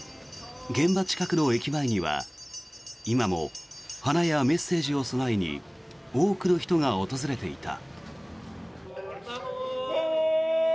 現場近くの駅前には今も花やメッセージを供えに多くの人が訪れていた。